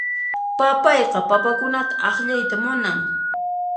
Papayqa papakunata akllayta munan.